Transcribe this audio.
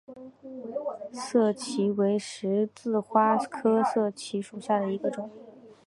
涩荠为十字花科涩荠属下的一个种。